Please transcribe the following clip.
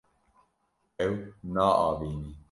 Ew naavînî.